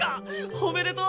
おめでとう！